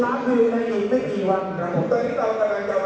รักรักยังร้อยไม่เปลี่ยนใจ